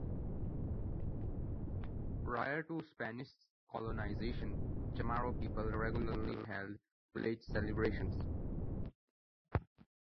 Prior to Spanish colonization, Chamorro people regularly held village celebrations.